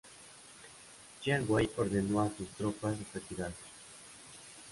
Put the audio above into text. Jiang Wei ordenó a sus tropas retirarse.